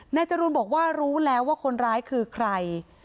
จรูนบอกว่ารู้แล้วว่าคนร้ายคือใคร